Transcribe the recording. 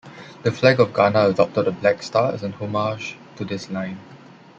The flag of Ghana adopted a black star as an homage to this line.